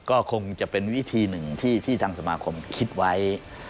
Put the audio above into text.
ก็คงจะเป็นวิธีหนึ่งที่ทางสมาคมคิดไว้